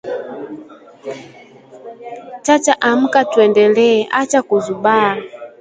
Chacha amka tuendelee, acha kuzubaa!’’